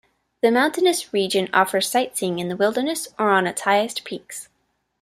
The mountainous region offers sightseeing in the wilderness or on its highest peaks.